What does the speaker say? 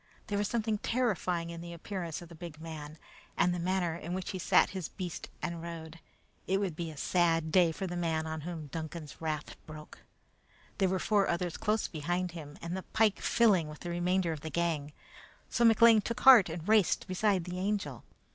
There was something terrifying in the appearance of the big man, and the manner in which he sat his beast and rode. It would be a sad day for the man on whom Duncan's wrath broke. There were four others close behind him, and the pike filling with the remainder of the gang; so McLean took heart and raced beside the Angel.